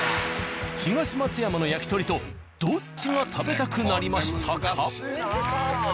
東松山のやきとりとどっちが食べたくなりましたか？